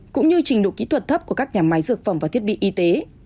cũng như trình độ kỹ thuật thấp của các nhà máy dược phẩm và thiết bị y tế